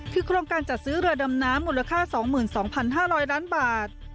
คือโครงการจัดซื้อเรือดำน้ำมูลค่า๒๒๕๐๐ล้านบาท